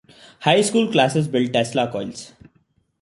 High school classes built Tesla coils.